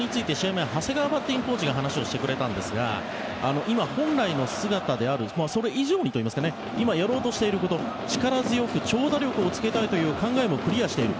前長谷川バッティングコーチが話をしてくれたんですが今、本来の姿であるそれ以上にといいますか今やろうとしていること力強く長打力をつけたいという考えもクリアしている。